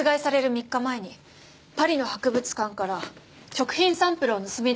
３日前にパリの博物館から食品サンプルを盗み出したとみられています。